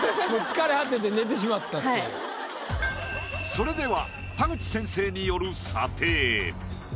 それでは田口先生による。